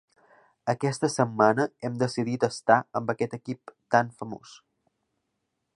Aquesta setmana hem decidit estar amb aquest equip tan famós.